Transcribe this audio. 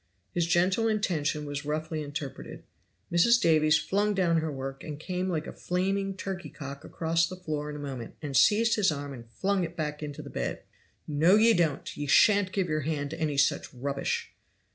His gentle intention was roughly interrupted. Mrs. Davies flung down her work and came like a flaming turkey cock across the floor in a moment, and seized his arm and flung it back into the bed. "No, ye don't! ye shan't give your hand to any such rubbish."